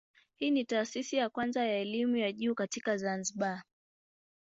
Hii ni taasisi ya kwanza ya elimu ya juu katika Zanzibar.